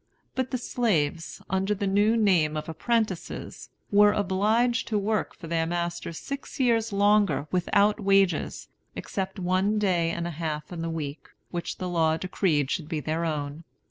But the slaves, under the new name of apprentices, were obliged to work for their masters six years longer without wages, except one day and a half in the week, which the law decreed should be their own.